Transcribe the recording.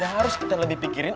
yang harus kita lebih pikirin